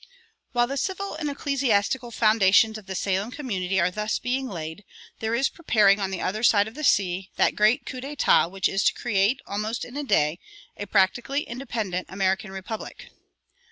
While the civil and ecclesiastical foundations of the Salem community are thus being laid, there is preparing on the other side of the sea that great coup d'état which is to create, almost in a day, a practically independent American republic.